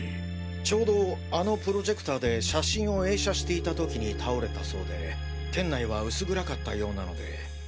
ちょうどあのプロジェクターで写真を映写していた時に倒れたそうで店内は薄暗かったようなので。